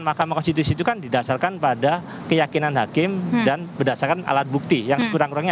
mahkamah konstitusi itu kan didasarkan pada keyakinan hakim dan berdasarkan alat bukti yang sekurang kurangnya